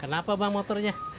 kenapa bang motornya